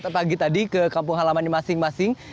pagi tadi ke kampung halamannya masing masing